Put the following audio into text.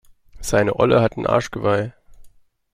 Seine Olle hat ein Arschgeweih.